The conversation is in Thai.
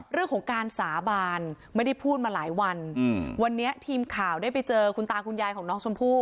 เรื่องของการสาบานไม่ได้พูดมาหลายวันวันนี้ทีมข่าวได้ไปเจอคุณตาคุณยายของน้องชมพู่